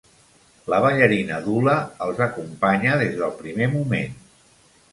La ballarina d'hula els acompanya des del primer moment.